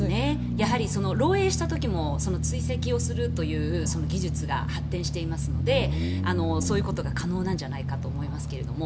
やはり漏えいした時も追跡するという技術が発展していますのでそういうことが可能なんじゃないかと思いますけども。